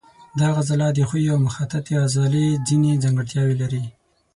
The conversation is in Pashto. دا عضله د ښویې او مخططې عضلې ځینې ځانګړتیاوې لري.